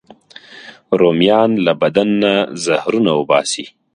رومیان له بدن نه زهرونه وباسي